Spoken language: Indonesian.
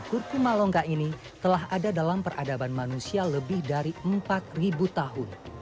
kurkuma longga ini telah ada dalam peradaban manusia lebih dari empat tahun